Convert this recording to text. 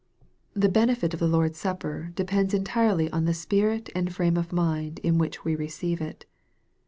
The benefit of the Lord's Supper depends entirely on the spirit and frame of mind in which we receive it.